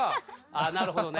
あっなるほどね。